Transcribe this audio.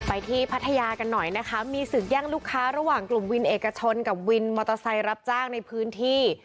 ที่พัทยากันหน่อยนะคะมีศึกแย่งลูกค้าระหว่างกลุ่มวินเอกชนกับวินมอเตอร์ไซค์รับจ้างในพื้นที่